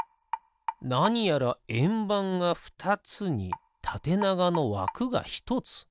なにやらえんばんがふたつにたてながのわくがひとつ。